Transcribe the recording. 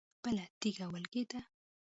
بله تيږه ولګېده.